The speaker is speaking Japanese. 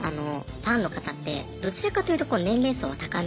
ファンの方ってどちらかというと年齢層は高め。